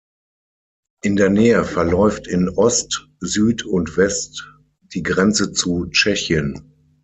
In der Nähe verläuft in Ost, Süd und West die Grenze zu Tschechien.